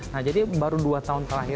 nah jadi baru dua tahun terakhir